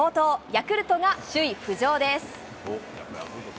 ヤクルトが首位浮上です。